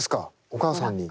お母さんに。